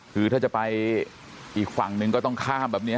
คือถ้าจะไปอีกฝั่งหนึ่งก็ต้องข้ามแบบนี้